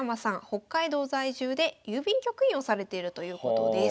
北海道在住で郵便局員をされているということです。